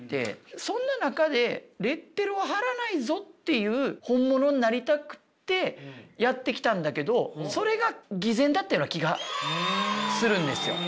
そんな中でレッテルを貼らないぞっていう本物になりたくてやってきたんだけどそれが偽善だったような気がするんですよ。